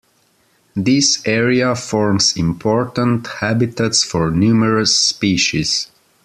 This area forms important habitats for numerous species.